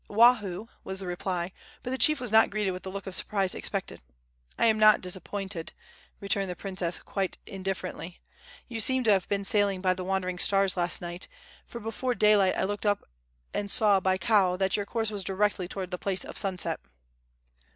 "Oahu," was the reply, but the chief was not greeted with the look of surprise expected. "I am not disappointed," returned the princess, quite indifferently. "You seem to have been sailing by the wandering stars last night, for before daylight I looked up and saw by Kao that your course was directly toward the place of sunset."